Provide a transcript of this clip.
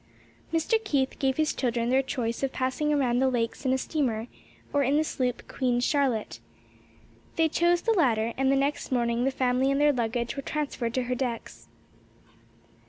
Mr. Keith gave his children their choice of passing around the lakes in a steamer or in the sloop Queen Charlotte. They chose the latter and the next morning the family and their luggage were transferred to her decks.